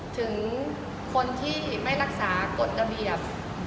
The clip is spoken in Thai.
ถึงคนที่ไม่รักษากฎระเบียบ